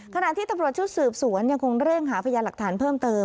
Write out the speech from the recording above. ขณะที่ตำรวจชุดสืบสวนยังคงเร่งหาพยานหลักฐานเพิ่มเติม